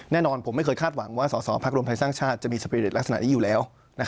แน่นอนผมไม่เคยคาดหวังว่าสอสอพักรวมไทยสร้างชาติจะมีสปีริตลักษณะนี้อยู่แล้ว